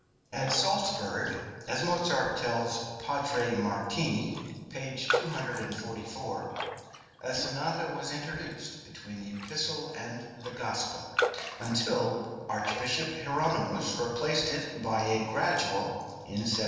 At Salzburg, as Mozart tells Padre Martini (p. 244), a sonata was introduced between the epistle and the gospel, until Archbishop Hieronymus replaced it by a gradual in 1763.